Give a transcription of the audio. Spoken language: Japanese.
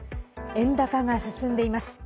円高が進んでいます。